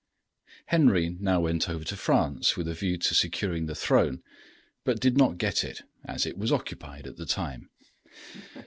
] Henry now went over to France with a view to securing the throne, but did not get it, as it was occupied at the time.